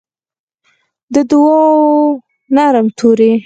د دوعا نرم توري